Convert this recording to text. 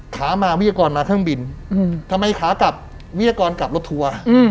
ขามาวิทยากรมาเครื่องบินทำไมขากลับวิทยากรกลับรถทัวร์